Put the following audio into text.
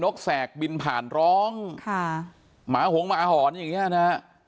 กแสกบินผ่านร้องค่ะหมาหงหมาหอนอย่างเงี้ยนะฮะ